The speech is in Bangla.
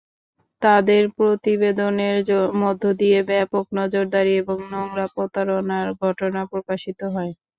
তাঁদের প্রতিবেদনের মধ্য দিয়ে ব্যাপক নজরদারি এবং নোংরা প্রতারণার ঘটনা প্রকাশিত হয়।